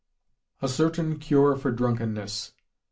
_A Certain Cure for Drunkenness.